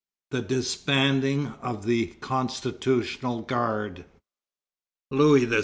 THE DISBANDING OF THE CONSTITUTIONAL GUARD. Louis XVI.